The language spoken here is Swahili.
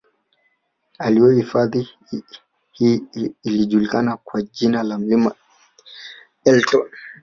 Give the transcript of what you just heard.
Awali hifadhi hii ilijulikana kwa jina la mlima wa elton